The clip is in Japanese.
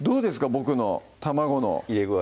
僕の卵の入れ具合